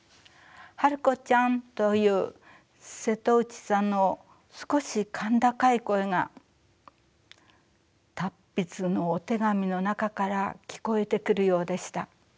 「治子ちゃん」という瀬戸内さんの少し甲高い声が達筆のお手紙の中から聞こえてくるようでした。